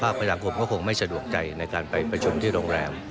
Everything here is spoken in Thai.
พญาคมก็คงไม่สะดวกใจในการไปประชุมที่โรงแรม